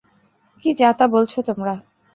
কী যা-তা বলছ তোমরা?